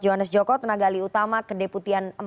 johannes joko tenagali utama kedeputian